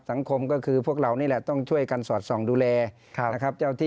สังคมก็คือพวกเรานี่แหละต้องช่วยกันสอดส่องดูแล